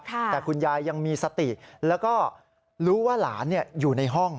แต่คุณยายยังมีสติแล้วก็รู้ว่าหลานอยู่ในห้อง